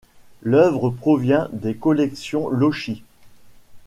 L'œuvre provient des collections Lochis.